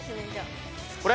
これ？